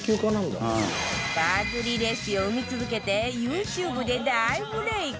バズりレシピを生み続けて ＹｏｕＴｕｂｅ で大ブレーク